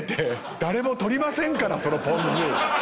誰も取りませんからそのぽん酢！